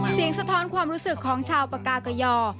เสียงสะท้อนความรู้สึกของชาวประกาเกย่า